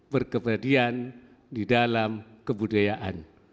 berkepadian di dalam kebudayaan